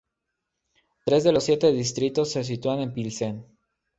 Tres de los siete distritos se sitúan en Pilsen.